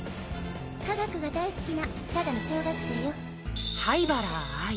科学が大好きなただの小学生よ。